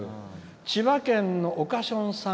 千葉県の、おかしょんさん。